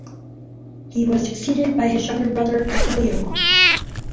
He was succeeded by his younger brother Gothelo.